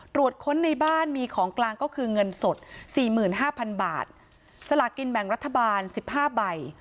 ค้นในบ้านมีของกลางก็คือเงินสดสี่หมื่นห้าพันบาทสลากินแบ่งรัฐบาล๑๕ใบ